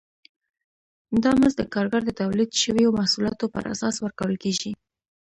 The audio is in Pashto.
دا مزد د کارګر د تولید شویو محصولاتو پر اساس ورکول کېږي